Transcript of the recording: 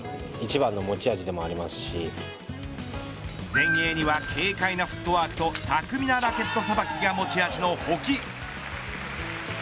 前衛には軽快なフットワークと巧みなラケットさばきが持ち味の保木。